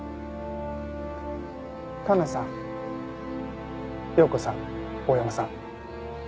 環奈さん容子さん大山さん。